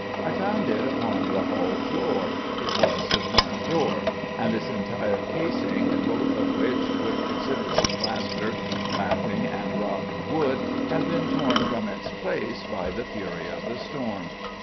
I found it upon the hall floor: it was the front door and its entire casing, both of which, with considerable plaster, lathing, and rotten wood, had been torn from its place by the fury of the storm.